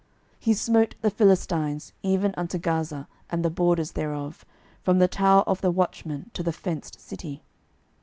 12:018:008 He smote the Philistines, even unto Gaza, and the borders thereof, from the tower of the watchmen to the fenced city.